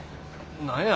何や？